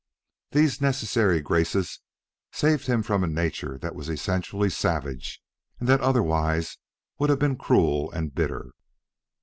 These necessary graces saved him from a nature that was essentially savage and that otherwise would have been cruel and bitter.